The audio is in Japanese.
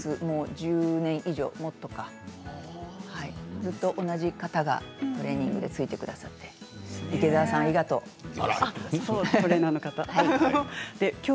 １０年以上もっとかずっと同じ方がトレーニングで付いてくださって池田さん、ありがとう。